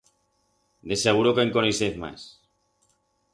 De seguro que en conoixez mas!